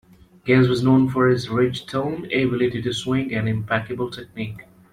Getz was known for his rich tone, ability to swing and impeccable technique.